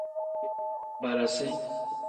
Barasi.